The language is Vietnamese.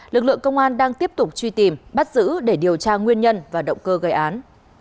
lực lượng công an đang tiếp tục truy tìm bắt giữ để điều tra nguyên nhân và động cơ gây án